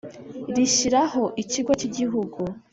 rishyiraho Ikigo cy Igihugu